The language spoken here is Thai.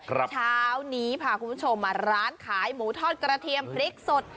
เช้านี้พาคุณผู้ชมมาร้านขายหมูทอดกระเทียมพริกสด